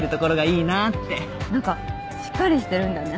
何かしっかりしてるんだね